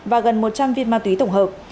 và gần một trăm linh viên ma túy tổng hợp